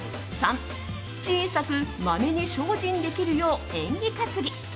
３、小さくマメに精進できるよう縁起担ぎ。